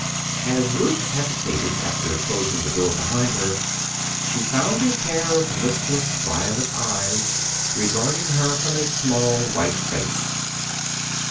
As Ruth hesitated after closing the door behind her, she found a pair of listless violet eyes regarding her from a small white face.